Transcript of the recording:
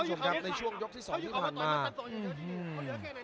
เดินหน้าเสียบเข่าจนรุ่นพี่ในตัวนี้โยนเลยครับแต่